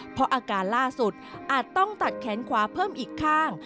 เพราะอาการล่าสุดอาจต้องตัดแขนขวาเพิ่มอีกข้าง